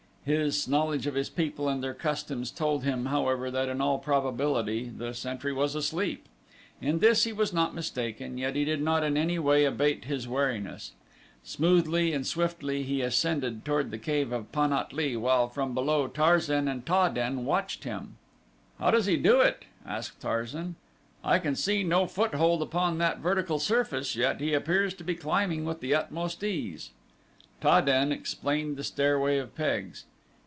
His knowledge of his people and their customs told him, however, that in all probability the sentry was asleep. In this he was not mistaken, yet he did not in any way abate his wariness. Smoothly and swiftly he ascended toward the cave of Pan at lee while from below Tarzan and Ta den watched him. "How does he do it?" asked Tarzan. "I can see no foothold upon that vertical surface and yet he appears to be climbing with the utmost ease." Ta den explained the stairway of pegs.